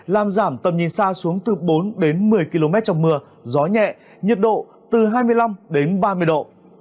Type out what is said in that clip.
làm giảm tầm nhìn xa xuống từ bốn đến một mươi km trong mưa gió nhẹ nhiệt độ từ hai mươi năm đến ba mươi độ